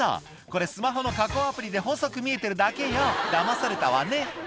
これスマホの加工アプリで細く見えてるだけよダマされたわね」